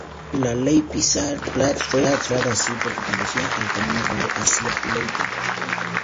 La Leipziger Platz fue nombrada así porque conducía al camino real hacia Leipzig.